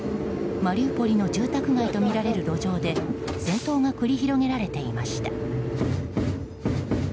マリウポリの住宅街とみられる路上で戦闘が繰り広げられていました。